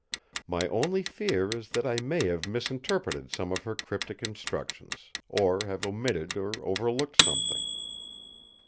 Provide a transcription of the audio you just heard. My only fear is that I may have misinterpreted some of her cryptic instructions, or have omitted or overlooked something.